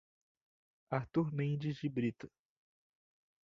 Artur Mendes de Brito